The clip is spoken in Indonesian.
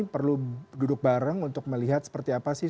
perlu duduk bareng untuk melihat seperti apa sih